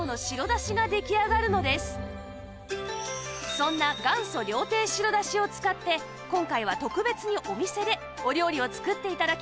そんな元祖料亭白だしを使って今回は特別にお店でお料理を作って頂きました